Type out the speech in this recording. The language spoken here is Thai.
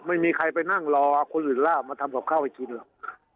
ไม่มีใครไปนั่งรอคนอื่นล่ามาทำกับข้าวให้กินหรอก